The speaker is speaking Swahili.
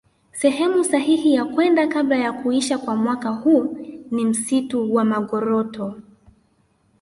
Sehemu sahihi ya kwenda kabla ya kuisha kwa mwaka huu ni msitu wa Magoroto